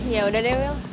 yaudah deh wil